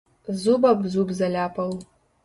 Зуб аб зуб заляпаў.